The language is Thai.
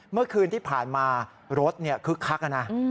เมื่อคืนที่ผ่านมารถคึกคักนะ